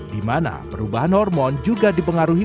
dimana perubahan hormon juga dipengaruhi